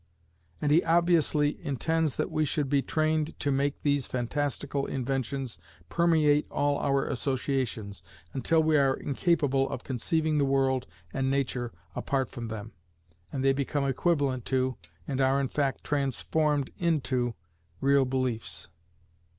And he obviously intends that we should be trained to make these fantastical inventions permeate all our associations, until we are incapable of conceiving the world and Nature apart from them, and they become equivalent to, and are in fact transformed into, real beliefs.